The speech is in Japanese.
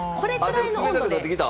冷たくなってきた。